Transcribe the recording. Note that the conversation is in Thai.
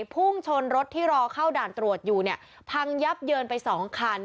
พุ่งชนรถที่รอเข้าด่านตรวจอยู่เนี่ยพังยับเยินไปสองคัน